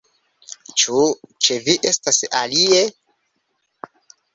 Ĉu ĉe vi estas alie?